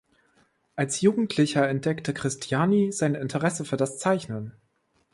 Als Jugendlicher entdeckte Cristiani sein Interesse für das Zeichnen.